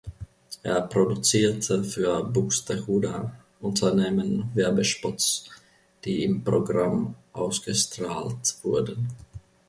Er produzierte für Buxtehuder Unternehmen Werbespots, die im Programm ausgestrahlt wurden.